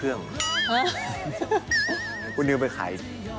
เมื่อวานเราเจอกันไปแล้ว